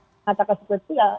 mengatakan seperti ya